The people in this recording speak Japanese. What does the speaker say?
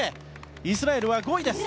イスラエルは５位です。